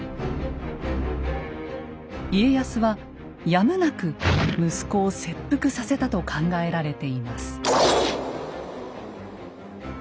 家康はやむなく息子を切腹させたと考えられています。